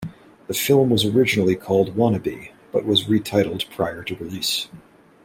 The film was originally called "Wannabe", but was retitled prior to release.